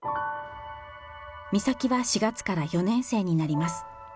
美咲は４月から４年生になります。